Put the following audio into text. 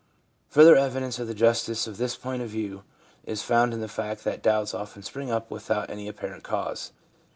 Further evidence of the justice of this point of view is found in the fact that doubts often spring up without any apparent cause.